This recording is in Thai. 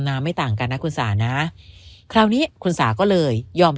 ไม่ต่างกันนะคุณสานะคราวนี้คุณสาก็เลยยอม